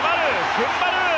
踏ん張る！